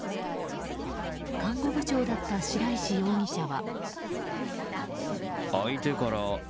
看護部長だった白石容疑者は。